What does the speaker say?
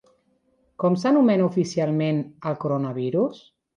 Com s'anomena oficialment al coronavirus?